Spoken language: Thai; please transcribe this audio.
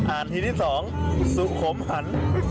อ่านทีที่สองสุขมหัน